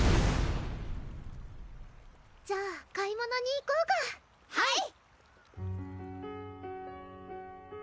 じゃあ買い物に行こうかはい！